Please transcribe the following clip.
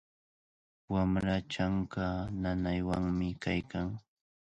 Wamraa chanka nanaywanmi kaykan.